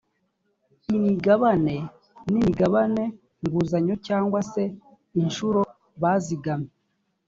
imigabane n imigabane nguzanyo cyangwa se inshuro bazigamye